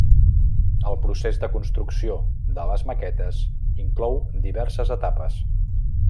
El procés de construcció de les maquetes inclou diverses etapes.